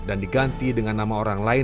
dan diganti dengan nama orang lain